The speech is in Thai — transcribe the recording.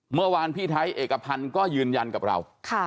เมื่อวานพี่ไทยเอกพันธ์ก็ยืนยันกับเรา